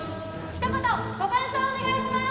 一言ご感想をお願いします